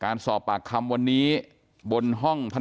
นางนาคะนี่คือยายน้องจีน่าคุณยายถ้าแท้เลย